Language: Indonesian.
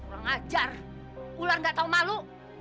ulan ngajar ulan gak tau malu